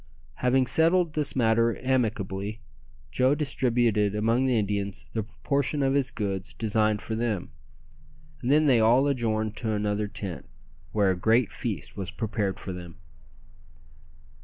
Having settled this matter amicably, Joe distributed among the Indians the proportion of his goods designed for them; and then they all adjourned to another tent, where a great feast was prepared for them.